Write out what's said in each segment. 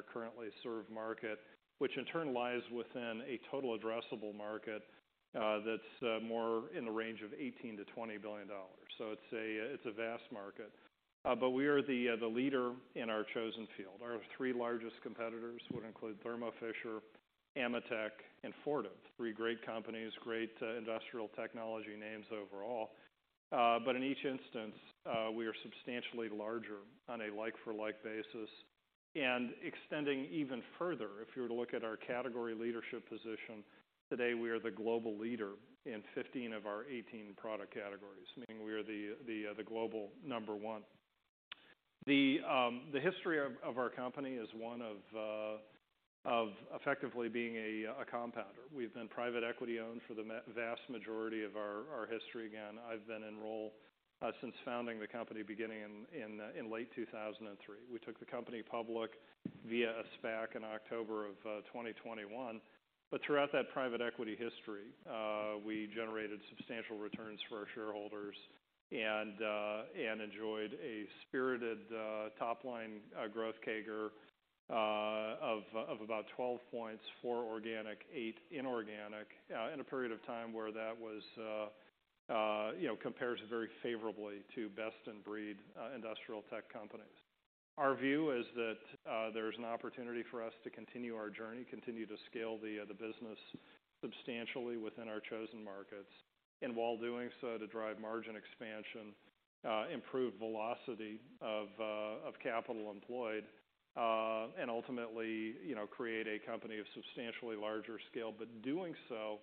Billion dollar currently served market, which in turn lies within a total addressable market that's more in the range of $18 billion-$20 billion. It's a vast market. We are the leader in our chosen field. Our three largest competitors would include Thermo Fisher, AMETEK, and Fortive. Three great companies, great industrial technology names overall. In each instance, we are substantially larger on a like-for-like basis. Extending even further, if you were to look at our category leadership position, today we are the global leader in 15 of our 18 product categories, meaning we are the global number one. The history of our company is one of effectively being a compounder. We've been private equity-owned for the vast majority of our history. Again, I've been in role since founding the company, beginning in late 2003. We took the company public via a SPAC in October of 2021. Throughout that private equity history, we generated substantial returns for our shareholders and enjoyed a spirited top line growth CAGR of about 12 points, four organic, eight inorganic, in a period of time where that was, you know, compares very favorably to best in breed industrial tech companies. Our view is that there's an opportunity for us to continue our journey, continue to scale the business substantially within our chosen markets. While doing so, to drive margin expansion, improve velocity of capital employed, and ultimately, you know, create a company of substantially larger scale, but doing so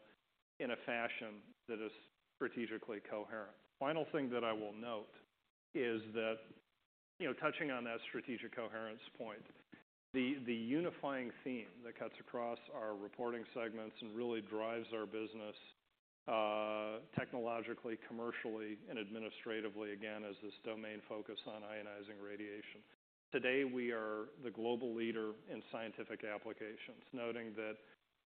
in a fashion that is strategically coherent. Final thing that I will note is that, you know, touching on that strategic coherence point, the unifying theme that cuts across our reporting segments and really drives our business, technologically, commercially, and administratively, again, is this domain focus on ionizing radiation. Today, we are the global leader in scientific applications, noting that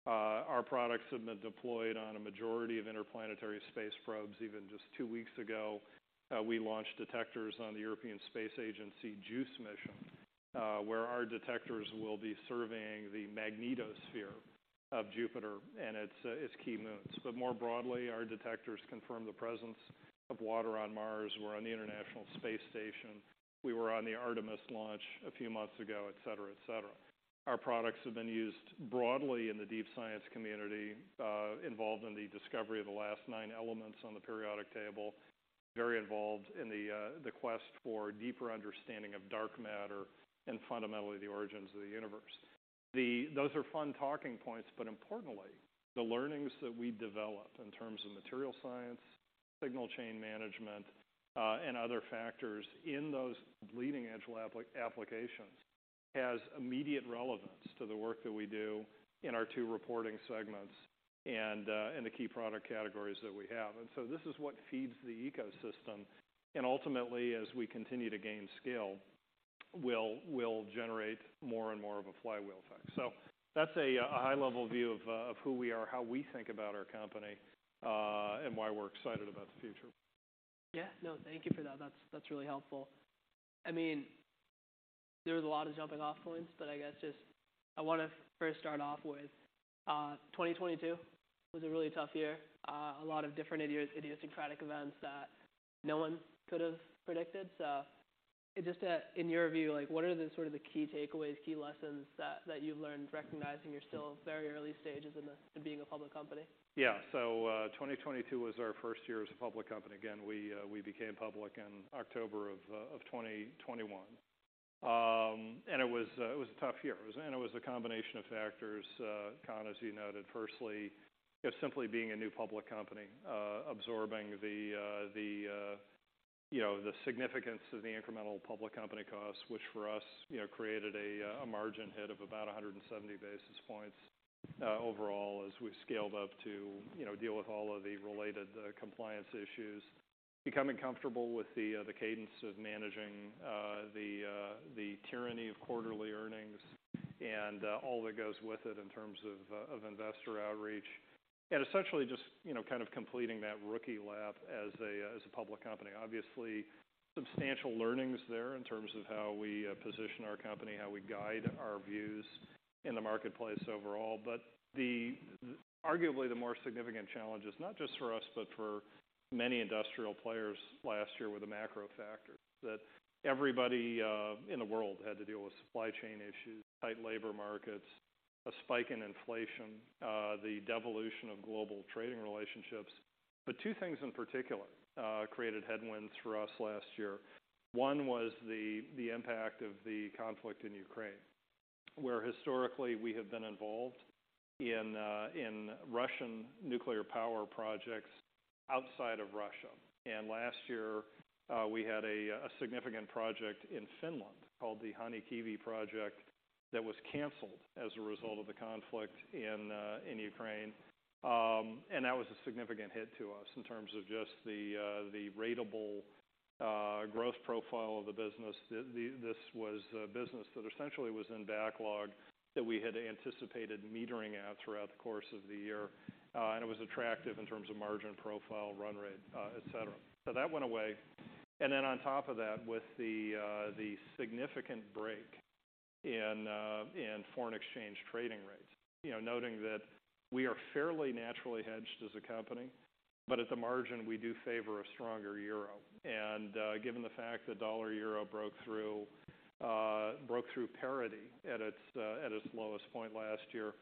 our products have been deployed on a majority of interplanetary space probes. Even just two weeks ago, we launched detectors on the European Space Agency JUICE mission, where our detectors will be surveying the magnetosphere of Jupiter and its key moons. More broadly, our detectors confirm the presence of water on Mars. We're on the International Space Station. We were on the Artemis launch a few months ago, et cetera, et cetera. Our products have been used broadly in the deep science community, involved in the discovery of the last nine elements on the periodic table, very involved in the quest for deeper understanding of dark matter and fundamentally the origins of the universe. Those are fun talking points, but importantly, the learnings that we developed in terms of material science, signal chain management, and other factors in those leading-edge applications has immediate relevance to the work that we do in our two reporting segments and in the key product categories that we have. This is what feeds the ecosystem, and ultimately, as we continue to gain scale, will generate more and more of a flywheel effect. That's a high-level view of who we are, how we think about our company, and why we're excited about the future. Yeah, no, thank you for that. That's really helpful. I mean, there's a lot of jumping off points, but I guess just I wanna first start off with, 2022 was a really tough year. A lot of different idiosyncratic events that no one could have predicted. Just, in your view, like what are the sort of the key takeaways, key lessons that you've learned recognizing you're still very early stages in being a public company? Yeah. 2022 was our first year as a public company. Again, we became public in October of 2021. It was a tough year. It was a combination of factors, Khanh, as you noted. Firstly, you know, simply being a new public company, absorbing the, you know, the significance of the incremental public company costs, which for us, you know, created a margin hit of about 170 basis points overall, as we scaled up to, you know, deal with all of the related compliance issues. Becoming comfortable with the cadence of managing the tyranny of quarterly earnings and all that goes with it in terms of investor outreach. Essentially just, you know, kind of completing that rookie lap as a public company. Obviously, substantial learnings there in terms of how we position our company, how we guide our views in the marketplace overall. The arguably the more significant challenges, not just for us, but for many industrial players last year were the macro factors that everybody in the world had to deal with supply chain issues, tight labor markets, a spike in inflation, the devolution of global trading relationships. Two things in particular created headwinds for us last year. One was the impact of the conflict in Ukraine. Historically we have been involved in Russian nuclear power projects outside of Russia. Last year, we had a significant project in Finland called the Hanhikivi project that was canceled as a result of the conflict in Ukraine. That was a significant hit to us in terms of just the ratable growth profile of the business. This was a business that essentially was in backlog that we had anticipated metering at throughout the course of the year. It was attractive in terms of margin profile, run rate, et cetera. That went away. Then on top of that, with the significant break in foreign exchange trading rates, you know, noting that we are fairly naturally hedged as a company, but at the margin, we do favor a stronger euro. Given the fact that dollar-euro broke through parity at its lowest point last year,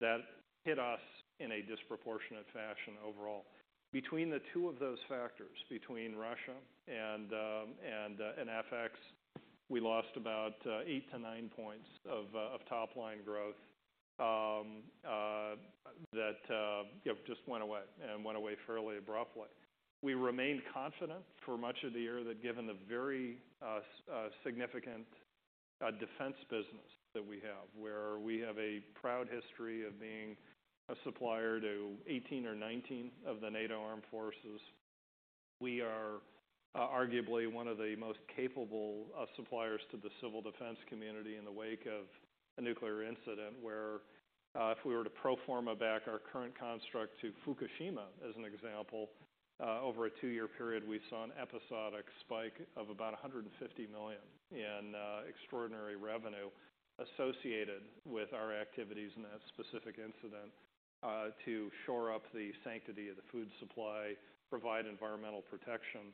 that hit us in a disproportionate fashion overall. Between the two of those factors, between Russia and FX, we lost about 8%-9% of top-line growth that, you know, just went away and went away fairly abruptly. We remained confident for much of the year that given the very significant defense business that we have, where we have a proud history of being a supplier to 18 or 19 of the NATO armed forces, we are arguably one of the most capable of suppliers to the civil defense community in the wake of a nuclear incident, where if we were to pro forma back our current construct to Fukushima, as an example, over a two-year period, we saw an episodic spike of about $150 million in extraordinary revenue associated with our activities in that specific incident, to shore up the sanctity of the food supply, provide environmental protection,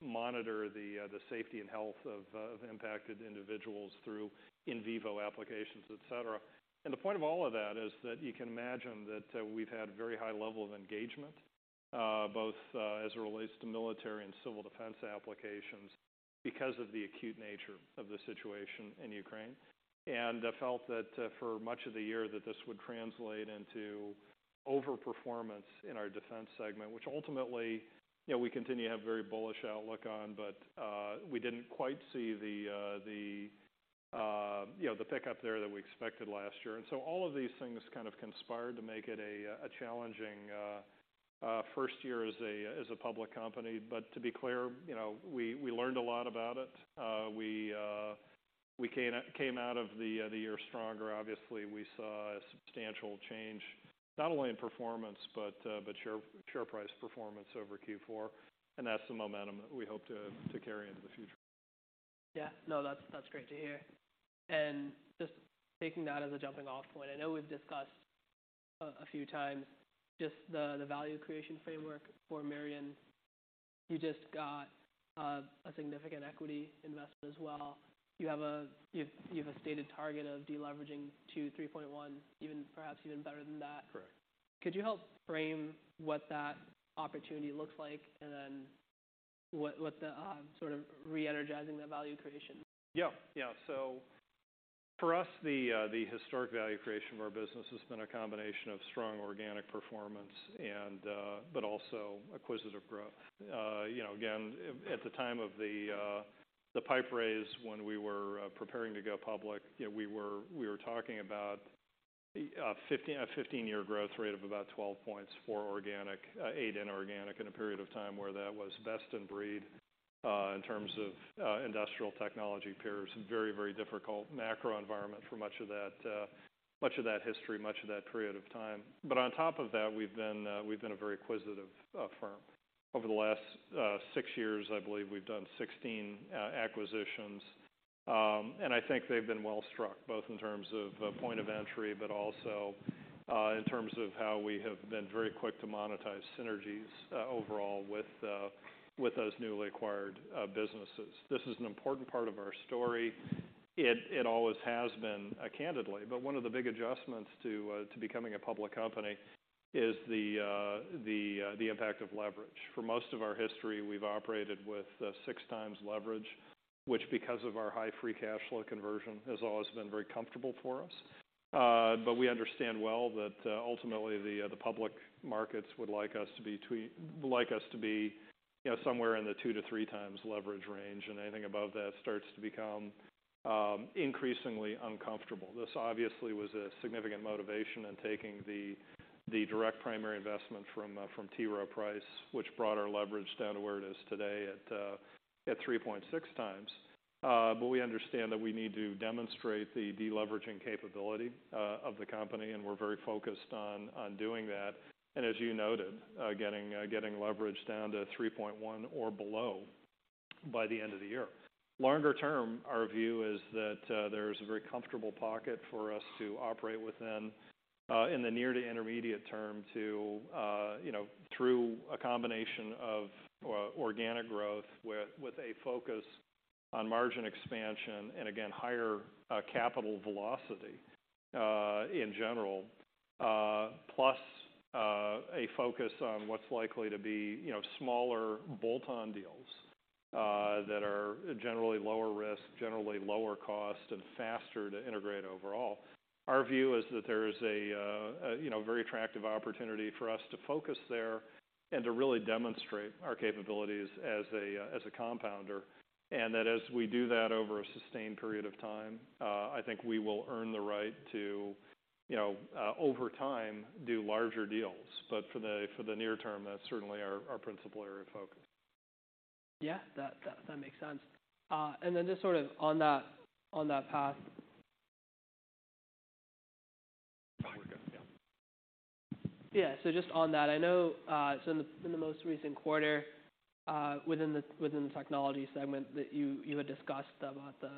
monitor the safety and health of impacted individuals through in vivo applications, et cetera. The point of all of that is that you can imagine that we've had very high level of engagement, both as it relates to military and civil defense applications because of the acute nature of the situation in Ukraine. I felt that for much of the year that this would translate into overperformance in our defense segment, which ultimately, you know, we continue to have very bullish outlook on. We didn't quite see the, you know, the pickup there that we expected last year. All of these things kind of conspired to make it a challenging first year as a public company. To be clear, you know, we learned a lot about it. We came out of the year stronger. Obviously, we saw a substantial change, not only in performance, but share price performance over Q4. That's the momentum that we hope to carry into the future. Yeah. No, that's great to hear. Just taking that as a jumping off point, I know we've discussed a few times just the value creation framework for Mirion. You just got a significant equity investment as well. You have a stated target of deleveraging to 3.1, even perhaps even better than that. Correct. Could you help frame what that opportunity looks like, and then what the, sort of reenergizing that value creation? Yeah. Yeah. For us, the historic value creation of our business has been a combination of strong organic performance and, but also acquisitive growth. You know, again, at the time of the PIPE raise when we were preparing to go public, you know, we were talking about a 15-year growth rate of about 12 points for organic, eight inorganic in a period of time where that was best in breed in terms of industrial technology peers. Very difficult macro environment for much of that, much of that history, much of that period of time. On top of that, we've been a very acquisitive firm. Over the last six years, I believe we've done 16 acquisitions. I think they've been well struck, both in terms of point of entry, but also in terms of how we have been very quick to monetize synergies overall with those newly acquired businesses. This is an important part of our story. It always has been candidly. One of the big adjustments to becoming a public company is the impact of leverage. For most of our history, we've operated with 6x leverage, which because of our high free cash flow conversion, has always been very comfortable for us. We understand well that ultimately the public markets would like us to be, you know, somewhere in the two- three times leverage range, and anything above that starts to become increasingly uncomfortable. This obviously was a significant motivation in taking the direct primary investment from T. Rowe Price, which brought our leverage down to where it is today at 3.6 times. We understand that we need to demonstrate the deleveraging capability of the company, and we're very focused on doing that. As you noted, getting leverage down to 3.1 or below by the end of the year. Longer term, our view is that there's a very comfortable pocket for us to operate within in the near to intermediate term to, you know, through a combination of organic growth with a focus on margin expansion and again, higher capital velocity in general. A focus on what's likely to be, you know, smaller bolt-on deals that are generally lower risk, generally lower cost, and faster to integrate overall. Our view is that there is a, you know, very attractive opportunity for us to focus there and to really demonstrate our capabilities as a compounder, and that as we do that over a sustained period of time, I think we will earn the right to, you know, over time, do larger deals. For the near term, that's certainly our principal area of focus. Yeah. That makes sense. Then just sort of on that path. Oh, here we go. Yeah. Yeah. Just on that, I know, in the most recent quarter, within the technology segment that you had discussed about the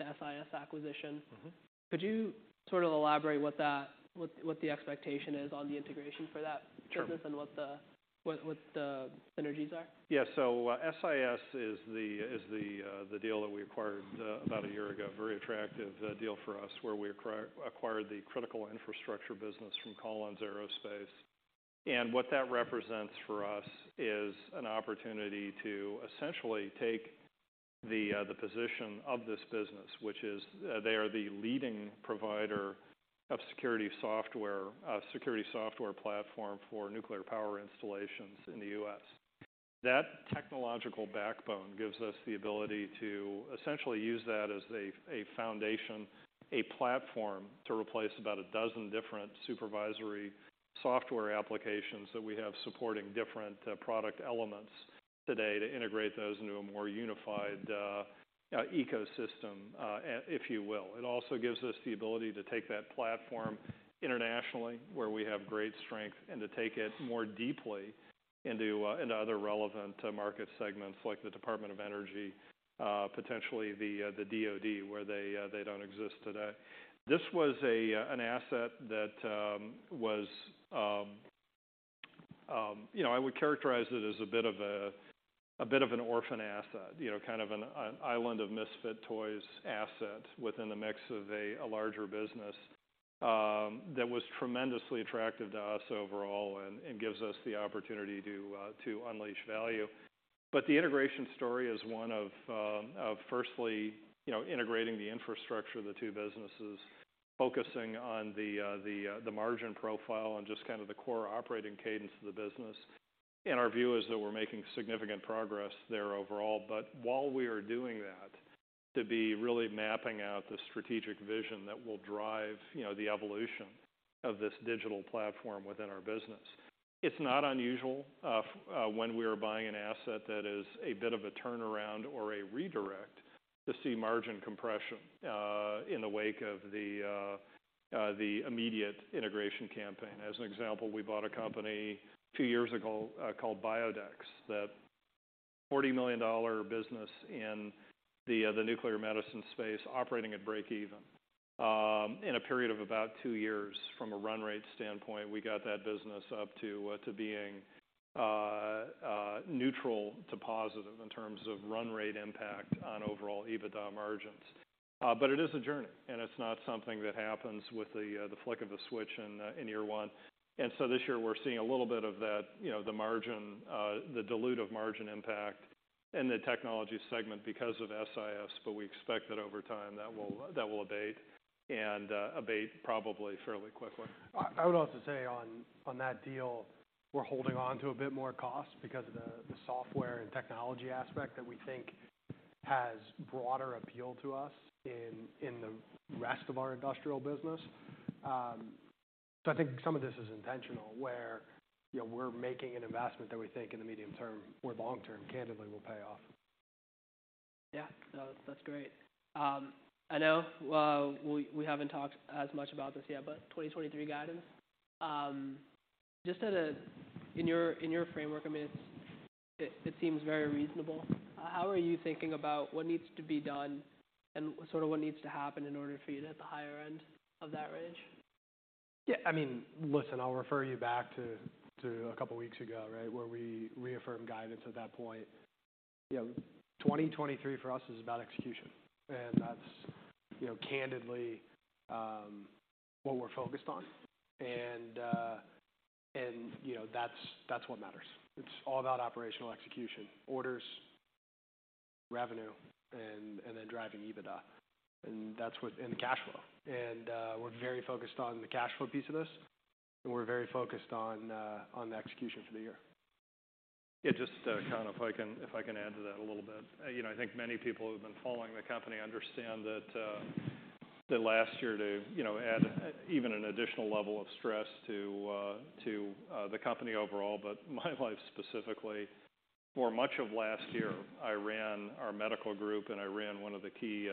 SIS acquisition. Mm-hmm. Could you sort of elaborate what the expectation is on the integration for that? Sure. -business and what the synergies are? Yeah. SIS is the deal that we acquired about a year ago. Very attractive deal for us, where we acquired the critical infrastructure business from Collins Aerospace. What that represents for us is an opportunity to essentially take the position of this business, which is, they are the leading provider of security software, security software platform for nuclear power installations in the U.S. That technological backbone gives us the ability to essentially use that as a foundation, a platform to replace about 12 different supervisory software applications that we have supporting different product elements today, to integrate those into a more unified ecosystem, if you will. It also gives us the ability to take that platform internationally, where we have great strength, and to take it more deeply into other relevant market segments like the Department of Energy, potentially the DOD, where they don't exist today. This was an asset that was, you know, I would characterize it as a bit of an orphan asset. You know, kind of an island of misfit toys asset within the mix of a larger business that was tremendously attractive to us overall and gives us the opportunity to unleash value. The integration story is one of firstly, you know, integrating the infrastructure of the two businesses, focusing on the margin profile and just kind of the core operating cadence of the business. Our view is that we're making significant progress there overall. While we are doing that, to be really mapping out the strategic vision that will drive, you know, the evolution of this digital platform within our business. It's not unusual when we are buying an asset that is a bit of a turnaround or a redirect to see margin compression in the wake of the immediate integration campaign. As an example, we bought a company a few years ago, called Biodex, that $40 million business in the nuclear medicine space operating at break even. In a period of about two years from a run rate standpoint, we got that business up to being neutral to positive in terms of run rate impact on overall EBITDA margins. It is a journey, and it's not something that happens with the flick of a switch in year one. This year we're seeing a little bit of that, you know, the margin, the dilutive margin impact in the technology segment because of SIS, we expect that over time that will abate and abate probably fairly quickly. I would also say on that deal, we're holding on to a bit more cost because of the software and technology aspect that we think has broader appeal to us in the rest of our industrial business. I think some of this is intentional where, you know, we're making an investment that we think in the medium term or long term, candidly, will pay off. Yeah. No, that's great. I know, we haven't talked as much about this yet, but 2023 guidance. Just in your, in your framework, I mean, it, it seems very reasonable. How are you thinking about what needs to be done and sort of what needs to happen in order for you to hit the higher end of that range? Yeah, I mean, listen, I'll refer you back to a couple weeks ago, right. Where we reaffirmed guidance at that point. You know, 2023 for us is about execution. That's, you know, candidly, what we're focused on. You know, that's what matters. It's all about operational execution, orders, revenue, and then driving EBITDA. The cash flow. We're very focused on the cash flow piece of this, and we're very focused on the execution for the year. Yeah, just kind of if I can add to that a little bit. You know, I think many people who have been following the company understand that last year to, you know, add even an additional level of stress to the company overall, but my life specifically. For much of last year, I ran our medical group and I ran one of the key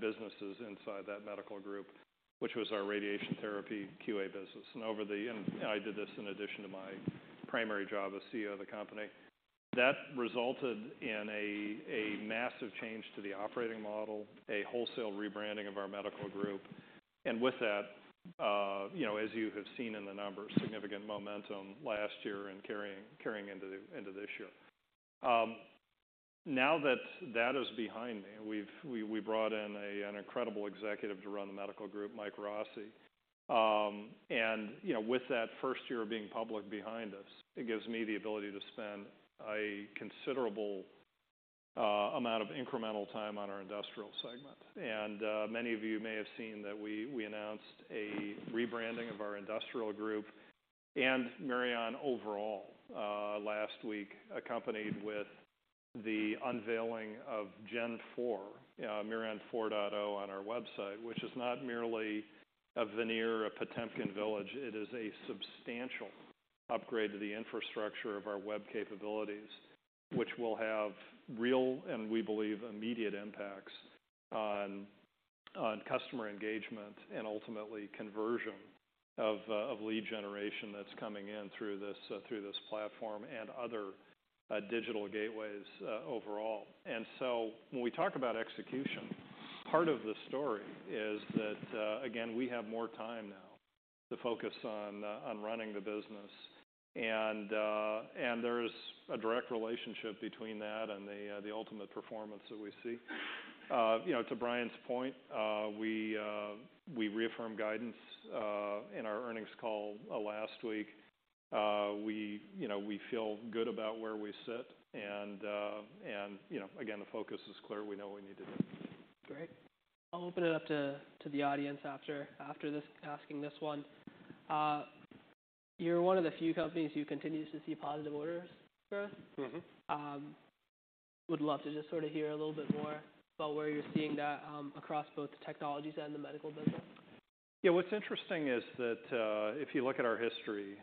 businesses inside that medical group, which was our Radiation Therapy QA business. Over the... I did this in addition to my primary job as CEO of the company. That resulted in a massive change to the operating model, a wholesale rebranding of our medical group. With that, you know, as you have seen in the numbers, significant momentum last year and carrying into this year. Now that that is behind me, we brought in an incredible executive to run the medical group, Michael Rossi. You know, with that first year of being public behind us, it gives me the ability to spend a considerable amount of incremental time on our industrial segment. Many of you may have seen that we announced a rebranding of our industrial group and Mirion overall, last week, accompanied with the unveiling of Gen 4, myRad 4.0 on our website, which is not merely a veneer, a Potemkin village. It is a substantial upgrade to the infrastructure of our web capabilities, which will have real, and we believe, immediate impacts on customer engagement and ultimately conversion of lead generation that's coming in through this platform and other digital gateways overall. When we talk about execution, part of the story is that again, we have more time now to focus on running the business. And there's a direct relationship between that and the ultimate performance that we see. You know, to Brian's point, we reaffirmed guidance in our earnings call last week. We, you know, we feel good about where we sit and, you know, again, the focus is clear. We know what we need to do. Great. I'll open it up to the audience after this asking this one. You're one of the few companies who continues to see positive orders growth. Mm-hmm. Would love to just sort of hear a little bit more about where you're seeing that, across both the technologies and the medical business. Yeah. What's interesting is that if you look at our history,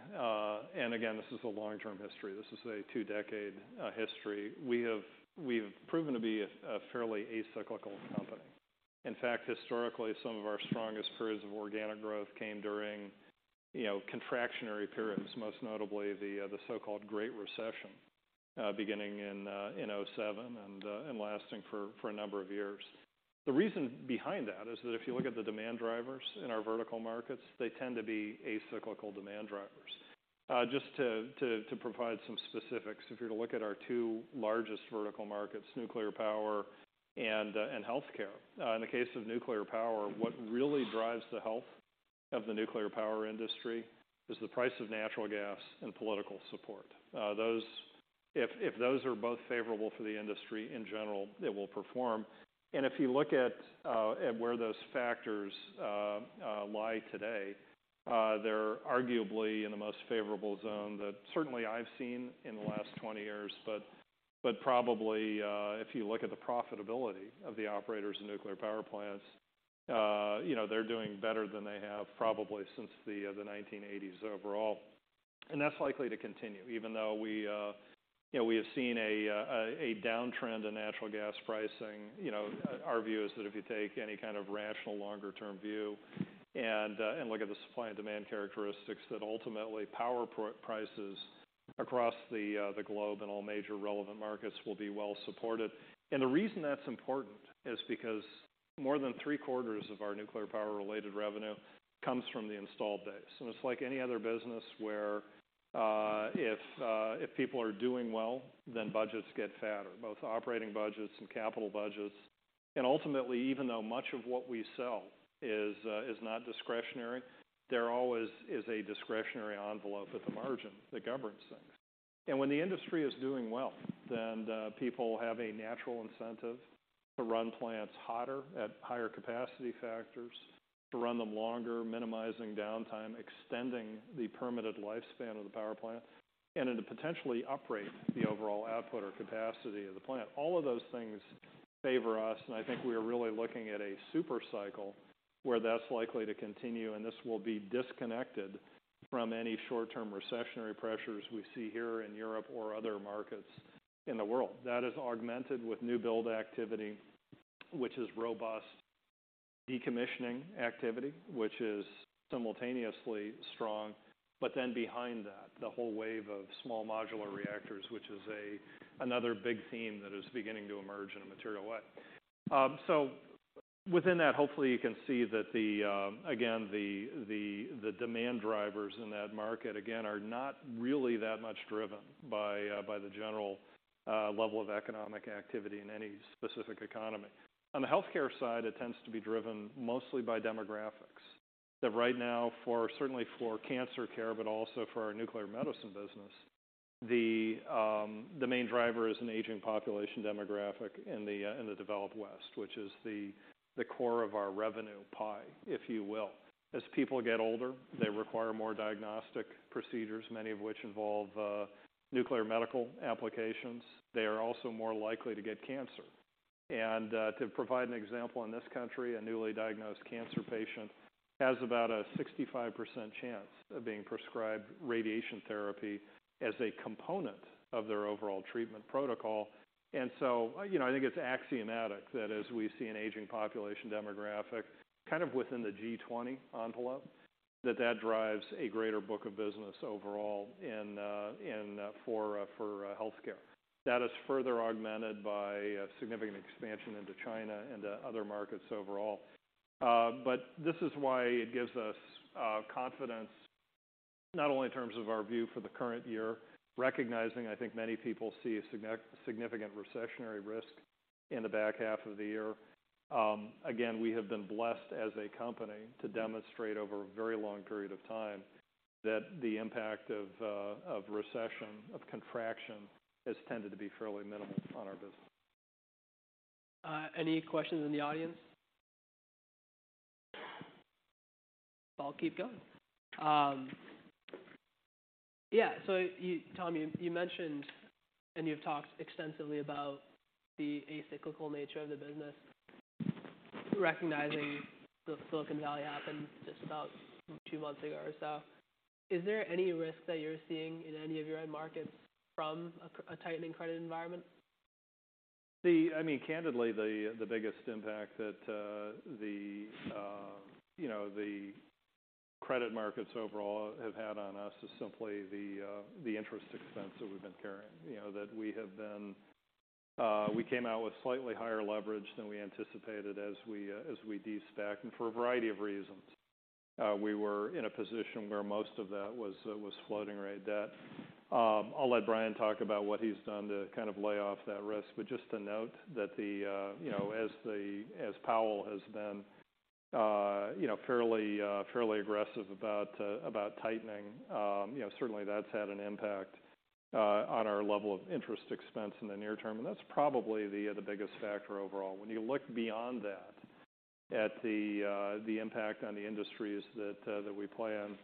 and again, this is a long-term history, this is a two-decade history. We've proven to be a fairly as cyclical company. In fact, historically, some of our strongest periods of organic growth came during, you know, contractionary periods, most notably the so-called Great Recession, beginning in 2007 and lasting for a number of years. The reason behind that is that if you look at the demand drivers in our vertical markets, they tend to be as cyclical demand drivers. Just to provide some specifics, if you're to look at our two largest vertical markets, nuclear power and healthcare. In the case of nuclear power, what really drives the health of the nuclear power industry is the price of natural gas and political support. If those are both favorable for the industry in general, it will perform. If you look at where those factors lie today, they're arguably in the most favorable zone that certainly I've seen in the last 20 years. Probably, if you look at the profitability of the operators in nuclear power plants, you know, they're doing better than they have probably since the 1980s overall. That's likely to continue even though we, you know, we have seen a downtrend in natural gas pricing. You know, our view is that if you take any kind of rational longer-term view and look at the supply and demand characteristics, that ultimately power prices across the globe in all major relevant markets will be well supported. The reason that's important is because more than three-quarters of our nuclear power-related revenue comes from the installed base. It's like any other business where if people are doing well, then budgets get fatter, both operating budgets and capital budgets. Ultimately, even though much of what we sell is not discretionary, there always is a discretionary envelope at the margin that governs things. When the industry is doing well, then the people have a natural incentive to run plants hotter at higher capacity factors, to run them longer, minimizing downtime, extending the permitted lifespan of the power plant, and to potentially upgrade the overall output or capacity of the plant. All of those things favor us, and I think we are really looking at a super cycle where that's likely to continue, and this will be disconnected from any short-term recessionary pressures we see here in Europe or other markets in the world. That is augmented with new build activity, which is robust decommissioning activity, which is simultaneously strong. Behind that, the whole wave of small modular reactors, which is another big theme that is beginning to emerge in a material way. Within that, hopefully, you can see that again, the demand drivers in that market again are not really that much driven by the general level of economic activity in any specific economy. On the healthcare side, it tends to be driven mostly by demographics. That right now for, certainly for cancer care, but also for our nuclear medicine business, the main driver is an aging population demographic in the developed West, which is the core of our revenue pie, if you will. As people get older, they require more diagnostic procedures, many of which involve nuclear medical applications. They are also more likely to get cancer. To provide an example, in this country, a newly diagnosed cancer patient has about a 65% chance of being prescribed radiation therapy as a component of their overall treatment protocol. You know, I think it's axiomatic that as we see an aging population demographic, kind of within the G20 envelope, that that drives a greater book of business overall and for healthcare. That is further augmented by a significant expansion into China and to other markets overall. This is why it gives us confidence not only in terms of our view for the current year, recognizing I think many people see a significant recessionary risk in the back half of the year. Again, we have been blessed as a company to demonstrate over a very long period of time that the impact of recession, of contraction has tended to be fairly minimal on our business. Any questions in the audience? I'll keep going. Yeah. You, Tom, you mentioned, and you've talked extensively about the acyclical nature of the business, recognizing the Silicon Valley happened just about two months ago or so. Is there any risk that you're seeing in any of your end markets from a tightening credit environment? I mean, candidly, the biggest impact that, you know, the credit markets overall have had on us is simply the interest expense that we've been carrying. You know, that we have been, we came out with slightly higher leverage than we anticipated as we de-SPAC, and for a variety of reasons. We were in a position where most of that was floating rate debt. I'll let Brian talk about what he's done to kind of lay off that risk. Just to note that, you know, as Powell has been, you know, fairly aggressive about tightening, you know, certainly that's had an impact on our level of interest expense in the near term, and that's probably the biggest factor overall. When you look beyond that, at the impact on the industries that we play in,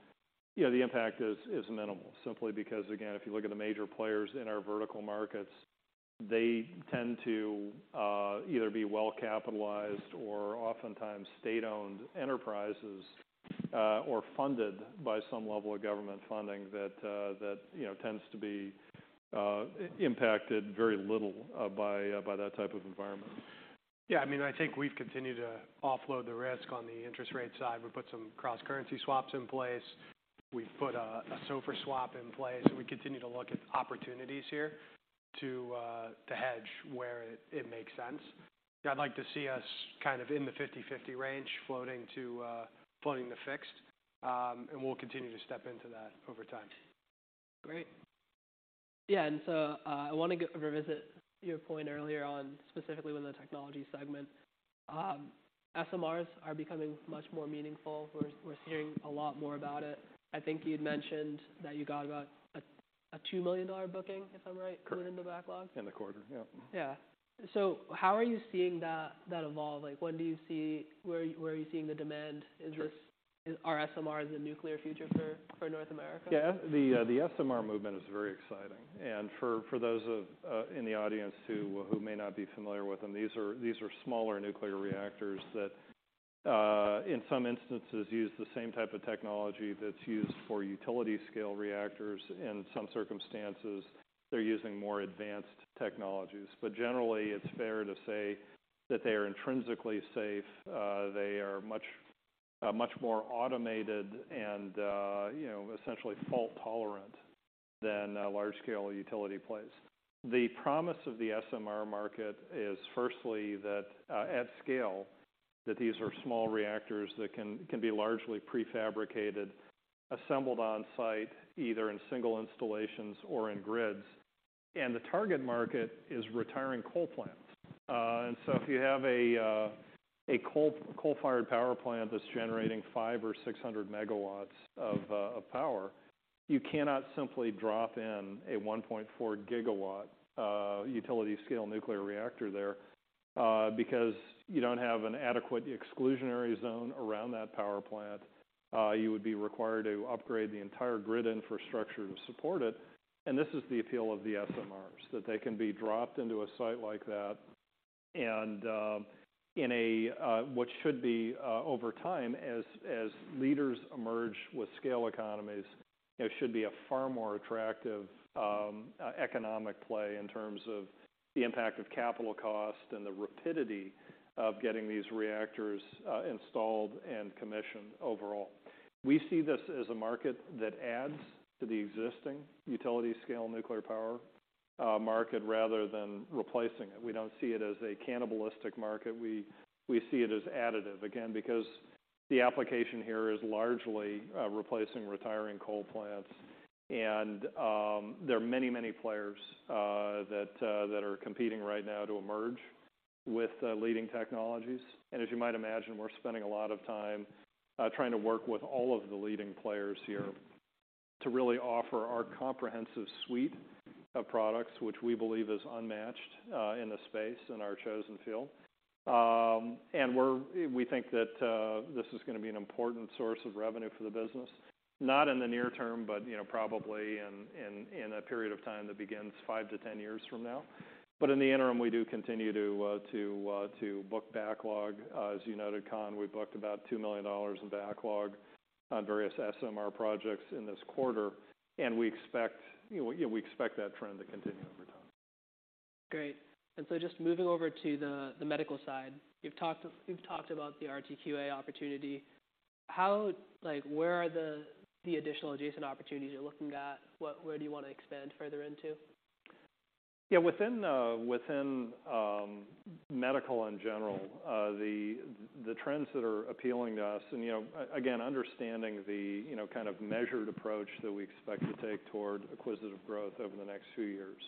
you know, the impact is minimal. Simply because, again, if you look at the major players in our vertical markets, they tend to either be well-capitalized or oftentimes state-owned enterprises or funded by some level of government funding that, you know, tends to be impacted very little by that type of environment. Yeah, I mean, I think we've continued to offload the risk on the interest rate side. We put some cross-currency swaps in place. We've put a SOFR swap in place. We continue to look at opportunities here to hedge where it makes sense. I'd like to see us kind of in the 50/50 range floating to floating to fixed. We'll continue to step into that over time. Great. Yeah, I want to revisit your point earlier on, specifically with the technology segment. SMRs are becoming much more meaningful. We're hearing a lot more about it. I think you'd mentioned that you got about a $2 million booking, if I'm right. Correct in the backlog. In the quarter, yeah. Yeah. How are you seeing that evolve? Like, where are you seeing the demand? Sure. Are SMRs the nuclear future for North America? Yeah. The SMR movement is very exciting. For those in the audience who may not be familiar with them, these are smaller nuclear reactors that in some instances use the same type of technology that's used for utility scale reactors. In some circumstances, they're using more advanced technologies. Generally, it's fair to say that they are intrinsically safe. They are much, much more automated and, you know, essentially fault tolerant than a large scale utility place. The promise of the SMR market is firstly that at scale, that these are small reactors that can be largely prefabricated, assembled on site, either in single installations or in grids. The target market is retiring coal plants. If you have a coal-fired power plant that's generating 500 or 600 megawatts of power, you cannot simply drop in a 1.4 gigawatt utility scale nuclear reactor there, because you don't have an adequate exclusionary zone around that power plant. You would be required to upgrade the entire grid infrastructure to support it. This is the appeal of the SMRs, that they can be dropped into a site like that and, in a, what should be, over time, as leaders emerge with scale economies, you know, should be a far more attractive economic play in terms of the impact of capital cost and the rapidity of getting these reactors installed and commissioned overall. We see this as a market that adds to the existing utility scale nuclear power market rather than replacing it. We don't see it as a cannibalistic market. We see it as additive. Because the application here is largely replacing retiring coal plants. There are many, many players that are competing right now to emerge with leading technologies. As you might imagine, we're spending a lot of time trying to work with all of the leading players here to really offer our comprehensive suite of products, which we believe is unmatched in the space, in our chosen field. We think that this is gonna be an important source of revenue for the business. Not in the near term, you know, probably in a period of time that begins five-10 years from now. In the interim, we do continue to book backlog. As you noted, Khan, we booked about $2 million in backlog on various SMR projects in this quarter, and we expect, you know, we expect that trend to continue over time. Great. Just moving over to the medical side. You've talked about the RTQA opportunity. Like, where are the additional adjacent opportunities you're looking at? Where do you wanna expand further into? Yeah. Within, within medical in general, the trends that are appealing to us, and, you know, again, understanding the, you know, kind of measured approach that we expect to take toward acquisitive growth over the next few years.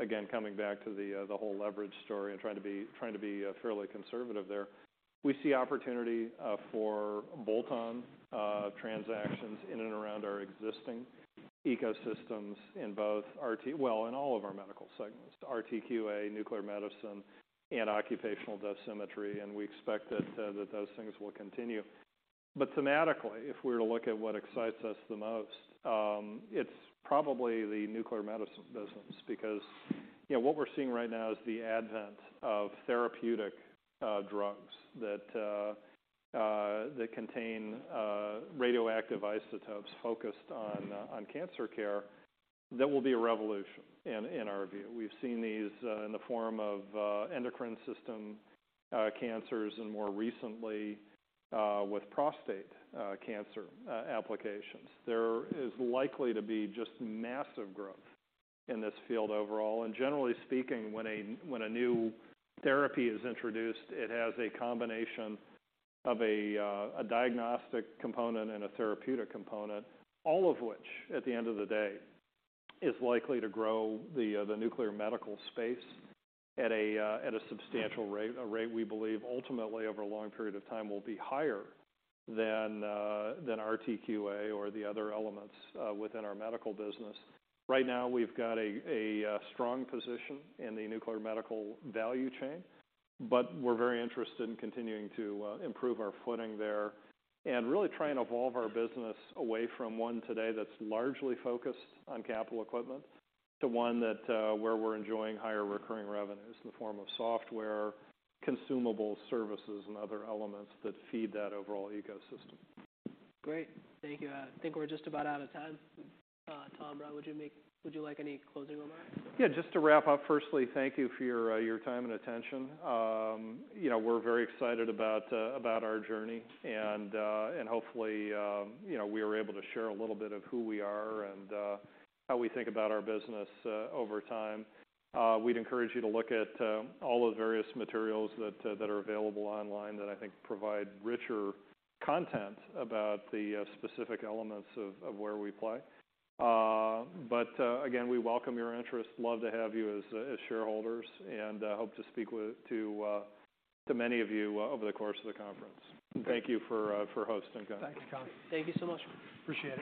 Again, coming back to the whole leverage story and trying to be fairly conservative there. We see opportunity for bolt-on transactions in and around our existing ecosystems, Well, in all of our medical segments: RTQA, nuclear medicine, and occupational dosimetry, and we expect that those things will continue. Thematically, if we were to look at what excites us the most, it's probably the nuclear medicine business because, you know, what we're seeing right now is the advent of therapeutic drugs that contain radioactive isotopes focused on cancer care that will be a revolution in our view. We've seen these in the form of endocrine system cancers and more recently with prostate cancer applications. There is likely to be just massive growth in this field overall and generally speaking, when a new therapy is introduced, it has a combination of a diagnostic component and a therapeutic component, all of which at the end of the day is likely to grow the nuclear medical space at a substantial rate. A rate we believe ultimately over a long period of time will be higher than RTQA or the other elements within our medical business. Right now, we've got a strong position in the nuclear medical value chain, but we're very interested in continuing to improve our footing there and really try and evolve our business away from one today that's largely focused on capital equipment to one that where we're enjoying higher recurring revenues in the form of software, consumable services and other elements that feed that overall ecosystem. Great. Thank you. I think we're just about out of time. Tom, Rob, would you like any closing remarks? Yeah, just to wrap up, firstly, thank you for your time and attention. You know, we're very excited about our journey and hopefully, you know, we are able to share a little bit of who we are and how we think about our business over time. We'd encourage you to look at all the various materials that are available online that I think provide richer content about the specific elements of where we play. Again, we welcome your interest, love to have you as shareholders, and hope to speak with many of you over the course of the conference. Thank you for hosting, guys. Thanks, Colin. Thank you so much. Appreciate it.